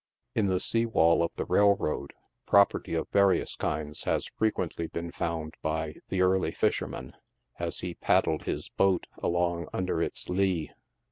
In the sea wall of the railroad, property of various kinds has frequently been found by the early fisherman, as he paddled his hoat along under its lee.